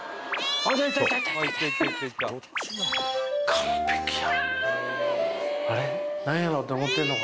完璧や。